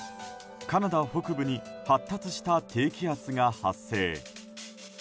カナダ北部に発達した低気圧が発生。